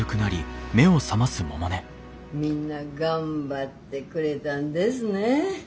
みんな頑張ってくれたんですね。